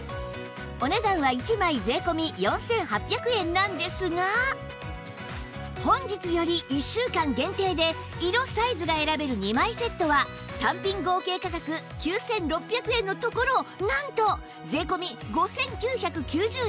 お値段は１枚税込４８００円なんですが本日より１週間限定で色サイズが選べる２枚セットは単品合計価格９６００円のところなんと税込５９９０円